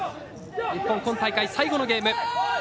日本、今大会最後のゲーム。